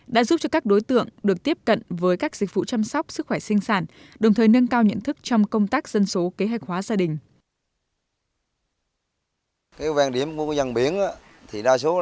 đã giúp cho các đối tượng được tiếp cận với các dịch vụ chăm sóc sức khỏe sinh sản đồng thời nâng cao nhận thức trong công tác dân số kế hoạch hóa gia đình